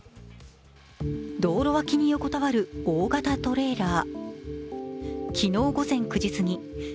道路脇に横たわる大型トレーラー。